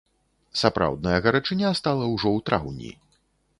Сапраўдная гарачыня стала ўжо ў траўні.